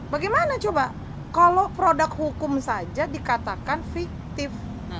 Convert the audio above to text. bagaimana coba kalau produk hukum saja dikatakan fiktif